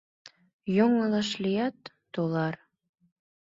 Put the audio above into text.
— Йоҥылыш лият, тулар!